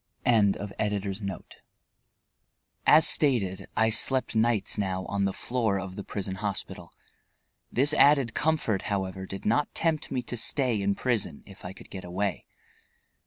EDITOR.] As stated, I slept nights now on the floor of the prison hospital. This added comfort, however, did not tempt me to stay in prison, if I could get away.